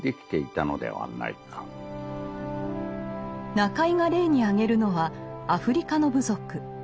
中井が例に挙げるのはアフリカの部族。